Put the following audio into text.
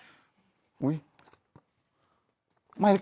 ไม่คุณเขียนทำไม